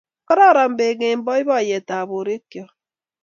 Kororon beek eng boiboiyetab borik cho